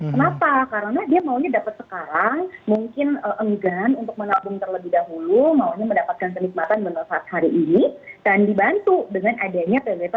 kenapa karena dia maunya dapat sekarang mungkin enggan untuk menabung terlebih dahulu maunya mendapatkan kenikmatan menu saat hari ini dan dibantu dengan adanya pbb